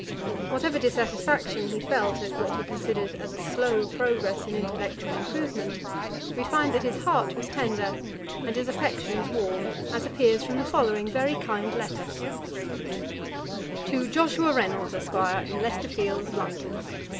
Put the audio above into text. Whatever dissatisfaction he felt at what he considered as a slow progress in intellectual improvement, we find that his heart was tender, and his affections warm, as appears from the following very kind letter: 'TO JOSHUA REYNOLDS, ESQ., IN LEICESTER FIELDS, LONDON.